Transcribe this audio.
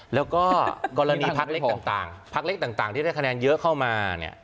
แล้วก็กรณีพักเล็กต่างพักเล็กต่างที่ได้คะแนนเยอะเข้ามาเนี่ย